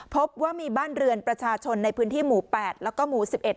พบว่ามีบ้านเรือนประชาชนในพื้นที่หมู่๘แล้วก็หมู่๑๑